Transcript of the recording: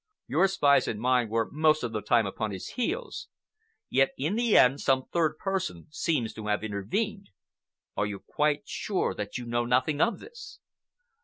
Your spies and mine were most of the time upon his heels. Yet in the end some third person seems to have intervened. Are you quite sure that you know nothing of this?"